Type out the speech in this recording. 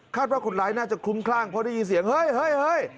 ว่าคนร้ายน่าจะคลุ้มคลั่งเพราะได้ยินเสียงเฮ้ย